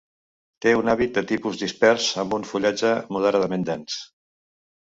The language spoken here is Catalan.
Té un hàbit de tipus dispers amb un fullatge moderadament dens.